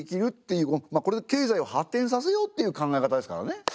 まっこれで経済を発展させようっていう考え方ですからね。